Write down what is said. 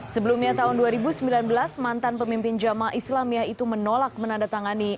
sebelumnya tahun dua ribu sembilan belas mantan pemimpin jamaah islamiyah itu menolak menandatangani